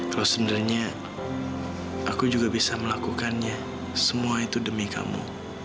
kalau sebenarnya aku juga bisa melakukannya semua itu demi kamu